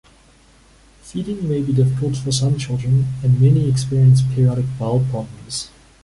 Feeding may be difficult for some children, and many experience periodic bowel problems.